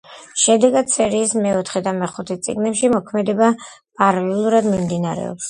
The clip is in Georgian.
შედეგად, სერიის მეოთხე და მეხუთე წიგნებში მოქმედება პარალელურად მიმდინარეობს.